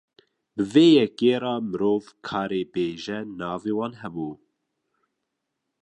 Bi vê yekê re mirov karê bêje navê wan hebû.